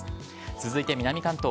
続いて南関東。